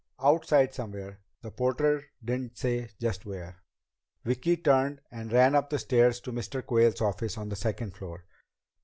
"Outside somewhere. The porter didn't say just where." Vicki turned and ran up the stairs to Mr. Quayle's office on the second floor.